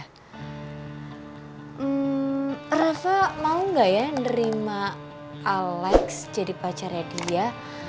hmm rafa mau nggak ya nerima alex jadi pacarnya dia